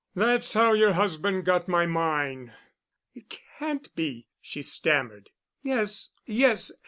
That's how your husband got my mine." "It can't be," she stammered. "Yes—yes.